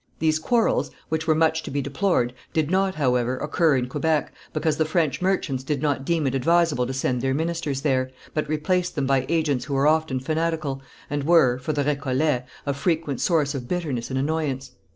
These quarrels which were much to be deplored, did not, however, occur in Quebec, because the French merchants did not deem it advisable to send their ministers there, but replaced them by agents who were often fanatical, and were for the Récollets a frequent source of bitterness and annoyance.